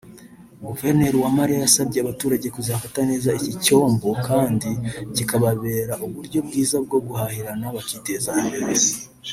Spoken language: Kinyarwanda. Guverineri Uwamariya yasabye abaturage kuzafata neza iki cyombo kandi kikababera uburyo bwiza bwo guhahirana bakiteza imbere